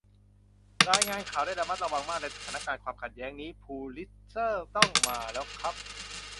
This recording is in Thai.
รายงานข่าวได้ระมัดระวังมากในสถานการณ์ความขัดแย้งนี้ พูลิตเซอร์ต้องมาแล้วครับ